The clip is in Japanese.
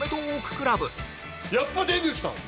やっぱデビューした。